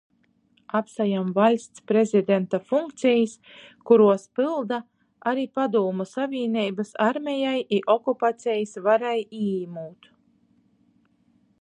Apsajam Vaļsts prezidenta funkcejis, kuruos pylda, ari Padūmu Savīneibys armejai i okupacejis varai īīmūt.